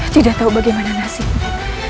tidak tahu bagaimana nasibnya